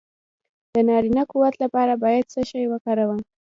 د نارینه قوت لپاره باید څه شی وکاروم؟